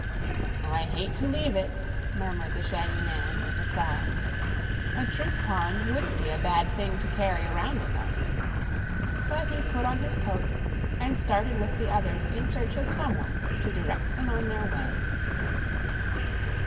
"I hate to leave it," murmured the shaggy man, with a sigh. "A truth pond wouldn't be a bad thing to carry around with us." But he put on his coat and started with the others in search of some one to direct them on their way.